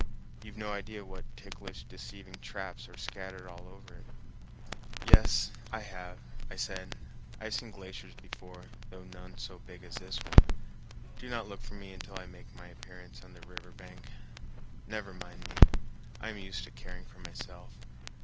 You've no idea what ticklish deceiving traps are scattered over it." "Yes, I have," I said. "I have seen glaciers before, though none so big as this one. Do not look for me until I make my appearance on the river bank. Never mind me. I am used to caring for myself."